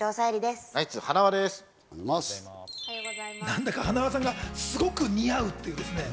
なんだか塙さんがすごく似合うっていう。